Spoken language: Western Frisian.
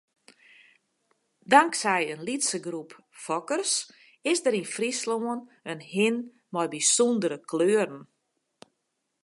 Tanksij in lytse groep fokkers is der yn Fryslân in hin mei bysûndere kleuren.